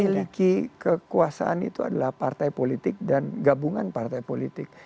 memiliki kekuasaan itu adalah partai politik dan gabungan partai politik